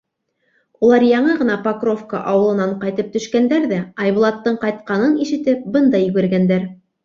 Улар яңы ғына Покровка ауылынан ҡайтып төшкәндәр ҙә, Айбулаттың ҡайтҡанын ишетеп, бында йүгергәндәр.